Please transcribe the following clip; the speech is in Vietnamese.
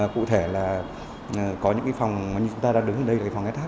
cụ thể là có những phòng như chúng ta đang đứng ở đây là phòng sh